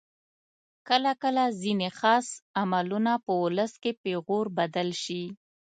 کله کله ځینې خاص عملونه په ولس کې پیغور بدل شي.